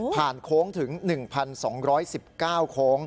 ผ่านโค้งถึง๑๒๑๙โค้ง